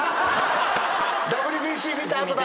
ＷＢＣ見た後だ？